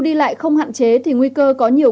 đi lại không hạn chế thì nguy cơ có nhiều